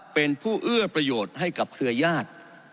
เป็นผู้เอื้อประโยชน์ให้กับเครือญาติ